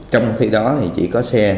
trong khi đó thì chỉ có xe